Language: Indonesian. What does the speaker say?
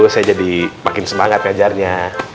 saya jadi makin semangat ngajarnya